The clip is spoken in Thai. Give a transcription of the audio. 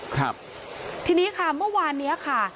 ครับทีนี้ค่ะเมื่อวานเนี้ยค่ะ